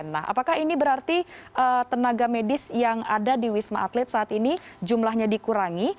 nah apakah ini berarti tenaga medis yang ada di wisma atlet saat ini jumlahnya dikurangi